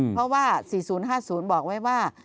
เพราะว่า๔๐๕๐บอกไว้ว่า